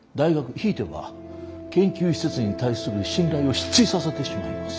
ひいては研究施設に対する信頼を失墜させてしまいます。